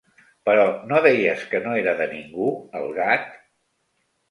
Però no deies que no era de ningú, el gat?